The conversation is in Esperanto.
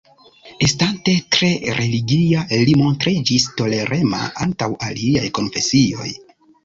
Estante tre religia li montriĝis tolerema antaŭ aliaj konfesioj.